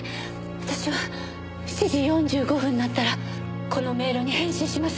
私は７時４５分になったらこのメールに返信します。